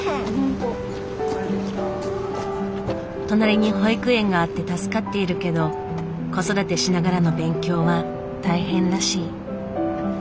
隣に保育園があって助かっているけど子育てしながらの勉強は大変らしい。